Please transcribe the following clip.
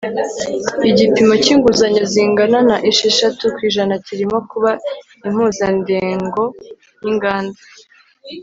igipimo cyinguzanyo zingana na esheshatu ku ijana kirimo kuba impuzandengo yinganda